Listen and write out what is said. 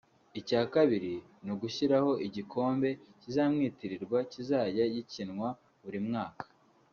Icya kabiri ni ugushyiraho igikombe kizamwitirirwa kizajya gikinwa buri mwaka